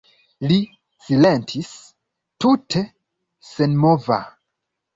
Li silentis tute senmova.